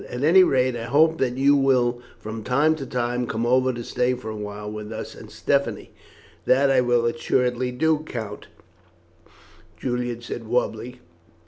"At any rate, I hope that you will from time to time come over to stay for a while with us and Stephanie." "That I will assuredly do, Count," Julian said warmly.